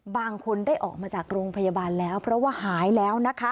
บางคนได้ออกมาจากโรงพยาบาลแล้วเพราะว่าหายแล้วนะคะ